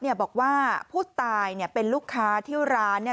คุณปัณพัฒน์บอกว่าผู้ตายเป็นลูกค้าที่ร้าน